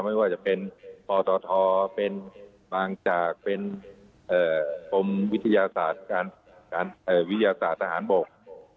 ไม่ว่าจะเป็นพศเป็นบางจากเป็นโฟมวิทยาศาสตร์ทหารบก